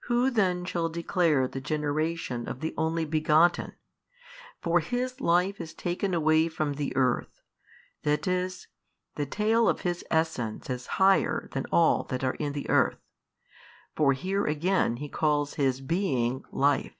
Who then shall declare the generation of the Only Begotten? for His Life is taken away from the earth, that is, the tale of His Essence is higher than all that are in the earth. For here again he calls His Being Life.